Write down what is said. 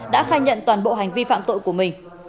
đã khai nhận toàn bộ hành vi phạm tội của mình